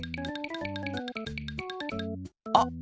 あっ！